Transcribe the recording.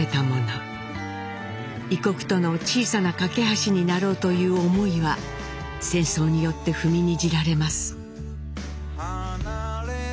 異国との小さな懸け橋になろうという思いは戦争によって踏みにじられます。